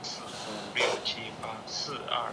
小女儿国小毕业